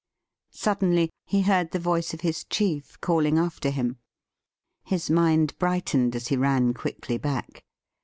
Suddenly he heard the voice of his chief calling after him. His mind brightened as he ran quickly back.